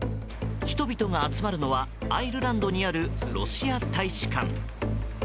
人々が集まるのはアイルランドにあるロシア大使館。